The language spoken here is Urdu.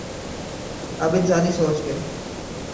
اب انسانی سوچ کے